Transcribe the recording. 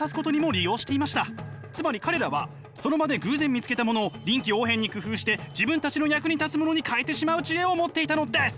つまり彼らはその場で偶然見つけたものを臨機応変に工夫して自分たちの役に立つものに変えてしまう知恵を持っていたのです！